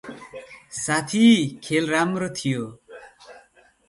साथी खेल राम्रो थियो।